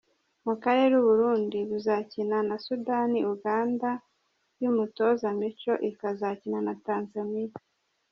Mu karere u Burundi buzakina na Sudani, Uganda y’umutoza Micho ikazakina na Tanzania.